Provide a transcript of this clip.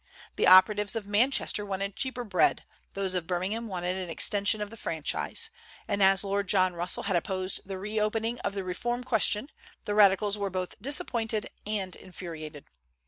The operatives of Manchester wanted cheaper bread; those of Birmingham wanted an extension of the franchise: and as Lord John Russell had opposed the re opening of the reform question, the radicals were both disappointed and infuriated.